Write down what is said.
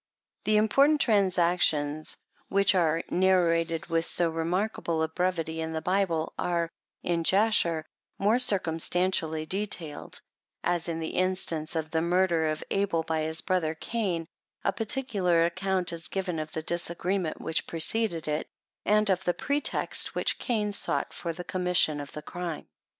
The important transactions which are narrated with so remarkable a brevity in the Bible, are, in Jasher, more circumstantially detailed ; as in the instance of the murder of Abel by his brother Cain, a particular ac count is given of the disagreement which preceded it, and of the pretext which Cain sought for the commission of the crime.